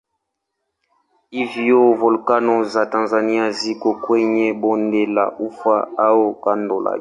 Hivyo volkeno za Tanzania ziko kwenye bonde la Ufa au kando lake.